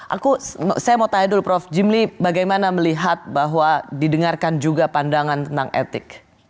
aku saya mau tanya dulu prof jimli bagaimana melihat bahwa didengarkan juga pandangan tentang etik